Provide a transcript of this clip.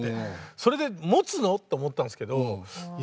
「それでもつの？」って思ってたんですけどいや